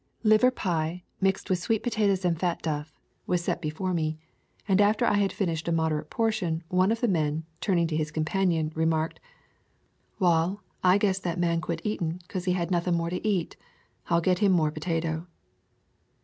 Liver pie, mixed with sweet potatoes and fat duff, was set before me, and after I had finished a moderate portion, one of the men, turning to his companion, re marked: "Wall, I guess that man quit eatin' *cause he had nothin' more to eat. I'll get him more potato."